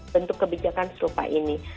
bentuk kebijakan serupa ini